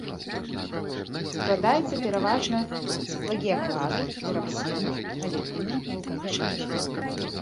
Складаецца пераважна з плагіяклазу, піраксену, алівіну, вулканічнага шкла.